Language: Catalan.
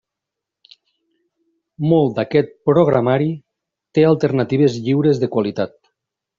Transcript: Molt d'aquest programari té alternatives lliures de qualitat.